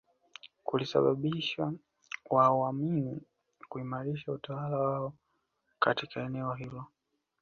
Kulisababisha Waomani kuimarisha utawala wao katika eneo hilo